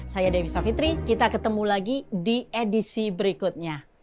saya dewi savitri kita ketemu lagi di edisi berikutnya